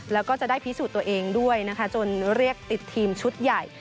แล้วก็จะได้พิสูจน์ตัวเองด้วยนะคะจนเรียกติดทีมชุดใหญ่